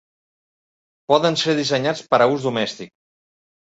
Poden ser dissenyats per a ús domèstic.